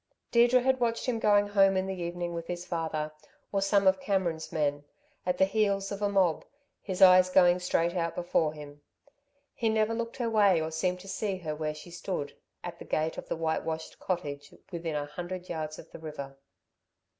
Deirdre had watched him going home in the evening with his father, or some of Cameron's men, at the heels of a mob, his eyes going straight out before him. He never looked her way or seemed to see her where she stood, at the gate of the whitewashed cottage within a hundred yards of the river.